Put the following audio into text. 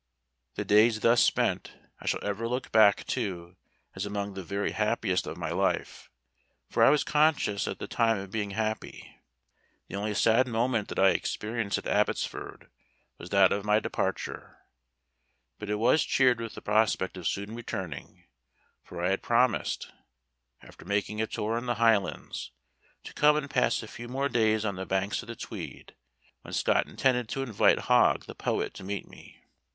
The days thus spent, I shall ever look back to, as among the very happiest of my life; for I was conscious at the time of being happy. The only sad moment that I experienced at Abbotsford was that of my departure; but it was cheered with the prospect of soon returning; for I had promised, after making a tour in the Highlands, to come and pass a few more days on the banks of the Tweed, when Scott intended to invite Hogg the poet to meet me.